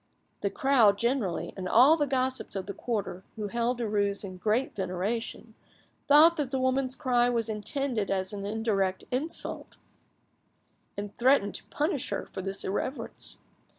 The crowd generally, and all the gossips of the quarter, who held Derues in great veneration, thought that the woman's cry was intended as an indirect insult, and threatened to punish her for this irreverence.